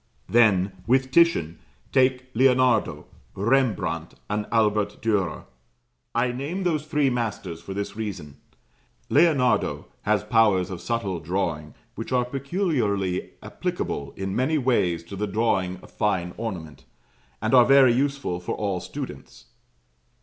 Then, with Titian, take Leonardo, Rembrandt, and Albert Dürer. I name those three masters for this reason: Leonardo has powers of subtle drawing which are peculiarly applicable in many ways to the drawing of fine ornament, and are very useful for all students.